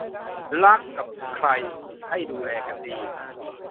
รักกับใครให้ดูแลกันดี